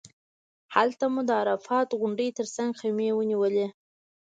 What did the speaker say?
هلته مو د عرفات غونډۍ تر څنګ خیمې ونیولې.